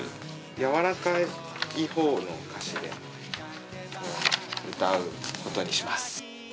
軟らかいほうの歌詞で歌うことにします。